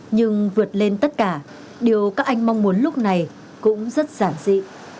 nhưng vượt lên tất cả điều các anh mong muốn lúc này cũng rất giản dị